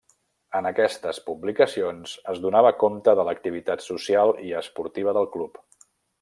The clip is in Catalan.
En aquestes publicacions es donava compte de l’activitat social i esportiva del club.